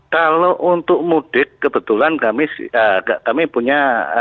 kalau untuk mudik kebetulan kami punya